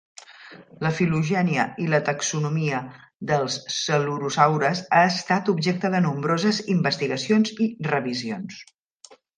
La filogènia i la taxonomia dels celurosaures ha estat objecte de nombroses investigacions i revisions.